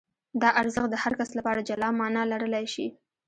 دا ارزښت د هر کس لپاره جلا مانا لرلای شي.